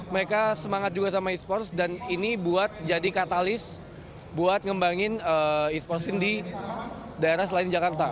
mereka semangat juga sama e sports dan ini buat jadi katalis buat ngembangin e sports di daerah selain jakarta